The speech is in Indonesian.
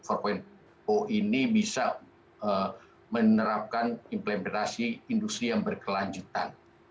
karena revolusi empat ini bisa menerapkan implementasi industri yang berkelanjutan